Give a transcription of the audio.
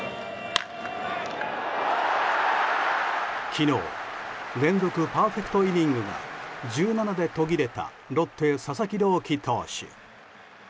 昨日連続パーフェクトイニングが１７で途切れたロッテ、佐々木朗希投手。